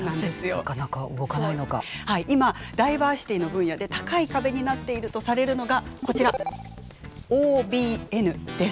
今ダイバーシティーの分野で高い壁になっているとされるのがこちらＯＢＮです。